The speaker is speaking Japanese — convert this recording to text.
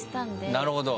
なるほど！